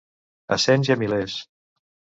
A cents i a milers.